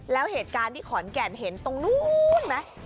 แล้วเหตุการณ์ที่ขอนแก่นเห็นตรงนู้นไหม